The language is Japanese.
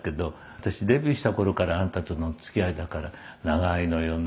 「私デビューした頃からあんたとの付き合いだから長いのよね。